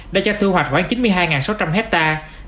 đã cho thu hoạch khoảng chín mươi hai sáu trăm linh hectare